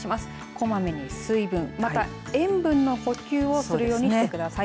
こまめに水分、また塩分の補給をするようにしてください。